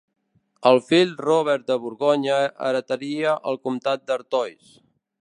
El fill Robert de Borgonya heretaria el comtat d'Artois.